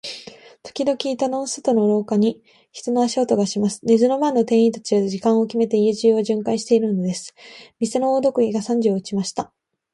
ときどき、板戸の外の廊下に、人の足音がします。寝ずの番の店員たちが、時間をきめて、家中を巡回じゅんかいしているのです。店の大時計が三時を打ちました。